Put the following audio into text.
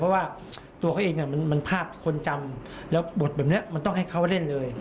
เพราะว่าตัวเขาเองมันภาพคนจำแล้วบทแบบนี้มันต้องให้เขาเล่นเลย